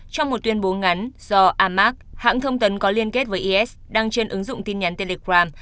trong một tuyên bố ngắn do amac hãng thông tấn có liên kết với is đăng trên ứng dụng tin nhắn telegram